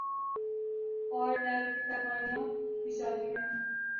اورنیب کی کارروائیاں بھی جاری ہیں۔